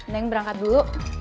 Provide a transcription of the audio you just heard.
neng berangkat dulu